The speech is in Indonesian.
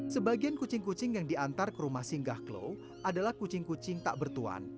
sebagian kucing kucing yang diantar ke rumah singgah klo adalah kucing kucing tak bertuan